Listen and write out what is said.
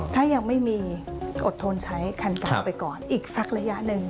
ถ้ายังไม่มีอดทนใช้คันเก่าไปก่อนอีกสักระยะหนึ่ง